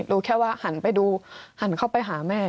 รู้แค่ว่าหันไปดูหันเข้าไปหาแม่